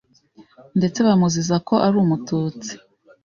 ndetse bamuziza ko ari umututsi.